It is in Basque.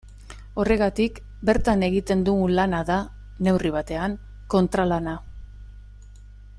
Horregatik bertan egiten dugun lana da, neurri batean, kontralana.